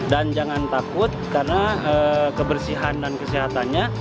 dan jangan takut karena kebersihan dan kesehatannya